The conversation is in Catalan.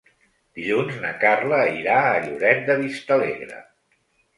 Dilluns na Carla irà a Lloret de Vistalegre.